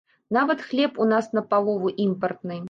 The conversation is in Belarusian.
Нават хлеб у нас напалову імпартны.